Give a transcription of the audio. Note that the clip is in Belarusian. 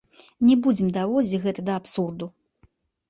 Не будзем даводзіць гэта да абсурду.